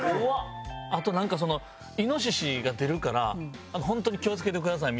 あとなんかその「イノシシが出るからホントに気をつけてください」みたいな。